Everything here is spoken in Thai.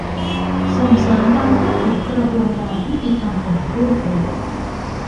ส่งเสริมการเข้าถึงกระบวนการยุติธรรมอย่างรวดเร็ว